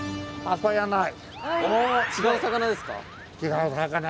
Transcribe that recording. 違う魚ですか？